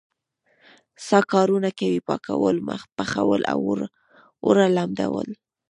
څه کارونه کوئ؟ پاکول، پخول او اوړه لمدول